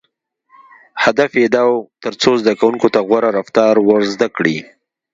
• هدف یې دا و، تر څو زدهکوونکو ته غوره رفتار ور زده کړي.